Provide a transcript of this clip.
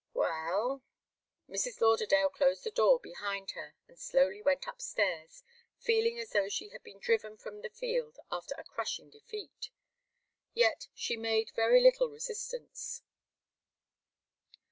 "Well " Mrs. Lauderdale closed the door behind her, and slowly went upstairs, feeling as though she had been driven from the field after a crushing defeat. Yet she had made very little resistance.